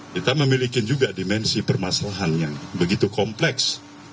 kita memiliki juga dimensi permasalahan yang begitu kompleks